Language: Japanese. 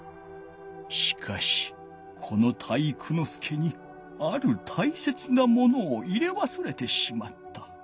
しかしこの体育ノ介にあるたいせつなものを入れわすれてしまった。